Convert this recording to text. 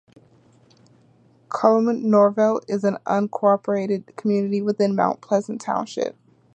Calumet-Norvelt is an unincorporated community within Mount Pleasant Township.